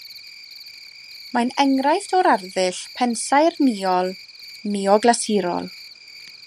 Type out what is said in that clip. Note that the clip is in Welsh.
Mae'n enghraifft o'r arddull pensaernïol neoglasurol.